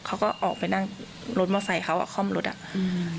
เขาก็ออกไปนั่งรถมอไซค์เขาอ่ะคล่อมรถอ่ะอืม